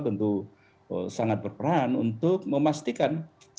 tentu sangat berperan untuk memastikan